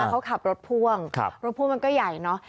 เขาขับรถพ่วงรถพ่วงมันก็ใหญ่เนอะ